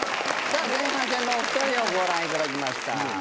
さぁ前半戦のお２人をご覧いただきました。